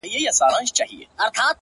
د پيغورونو په مالت کي بې ريا ياري ده-